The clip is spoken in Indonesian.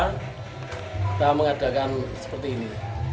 kita mengadakan seperti ini